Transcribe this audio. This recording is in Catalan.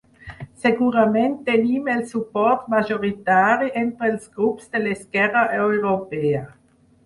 Segurament tenim el suport majoritari entre els grups de l’esquerra europea.